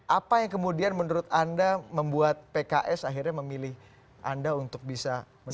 apa yang kemudian menurut anda membuat pks akhirnya memilih anda untuk bisa